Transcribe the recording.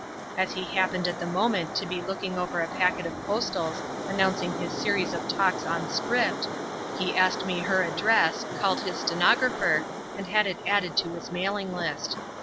As he happened at the moment to be looking over a packet of postals announcing his series of talks on 'Script,' he asked me her address, called his stenographer, and had it added to his mailing list.